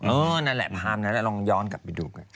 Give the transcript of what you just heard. นั่นแหละภาพนั้นลองย้อนกลับไปดูกัน